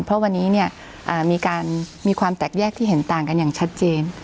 เพราะวันนี้มีการมีความแตกแยกที่เห็นต่างกันอย่างชัดเจน